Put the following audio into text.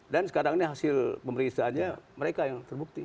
dan sekarang ini hasil pemeriksaannya mereka yang terbukti